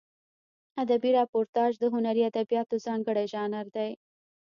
ادبي راپورتاژ د هنري ادبیاتو ځانګړی ژانر دی.